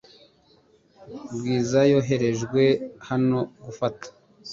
Bwiza yoherejwe hano gufata .